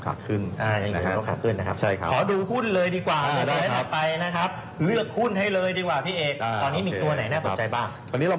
ถูกต้อง